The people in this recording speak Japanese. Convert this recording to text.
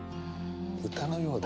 歌のようだ。